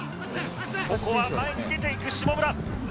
ここは前に出ていく下村。